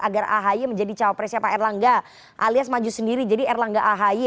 agar ahy menjadi cawapresnya pak erlangga alias maju sendiri jadi erlangga ahy